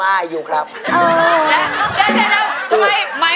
เออได้แล้วทำไม